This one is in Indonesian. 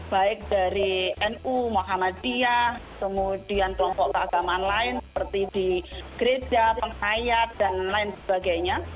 baik dari nu muhammadiyah kemudian kelompok keagamaan lain seperti di gereja penghayat dan lain sebagainya